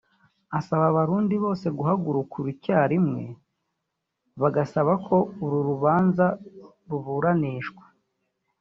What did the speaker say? Asaba abarundi bose guhagurukura icyarimwe bagasaba ko uru rubanza ruburanishwa